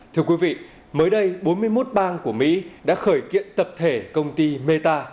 thưa quý vị mới đây bốn mươi một bang của mỹ đã khởi kiện tập thể công ty meta